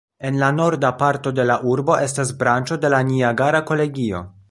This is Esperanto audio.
En la norda parto de la urbo estas branĉo de la Niagara Kolegio.